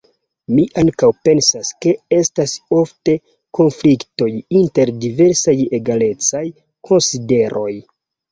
Mi ankaŭ pensas, ke estas ofte konfliktoj inter diversaj egalecaj konsideroj.